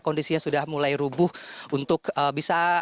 kondisinya sudah mulai rubuh untuk bisa